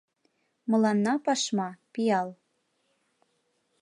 Мыланна пашма — пиал.